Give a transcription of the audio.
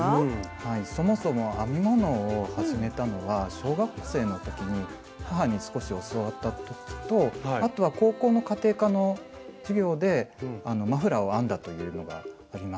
はいそもそも編み物を始めたのは小学生の時に母に少し教わった時とあとは高校の家庭科の授業でマフラーを編んだというのがあります。